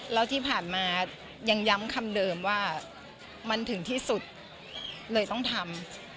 แล้วที่ผ่านมายังย้ำคำเดิมว่ามันถึงที่สุดเลยต้องทำ